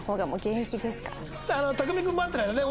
匠海君を待ってる間ね